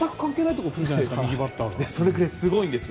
それくらいすごいんです。